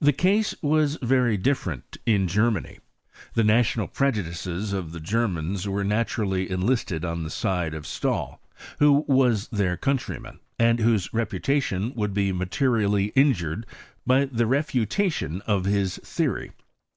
The case was very different in Germany. The national prejudices of the Germans were naturally enlisted on the side of Stahl, who was their country nan, and whose reputation would be materially injured by the refutation of his theory.